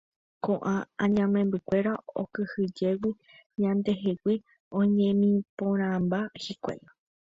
Ko'ã añamembykuéra okyhyjégui ñandehegui oñemiporãmba hikuái.